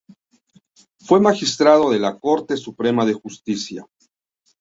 Fue magistrado de la Corte Suprema de Justicia.